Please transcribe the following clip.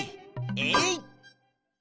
えい！